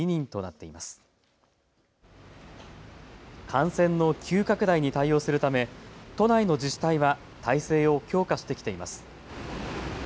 感染の急拡大に対応するため都内の自治体は体制を強化してきています。